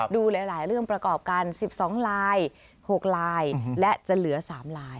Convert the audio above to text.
ดูหลายเรื่องประกอบกัน๑๒ลาย๖ลายและจะเหลือ๓ลาย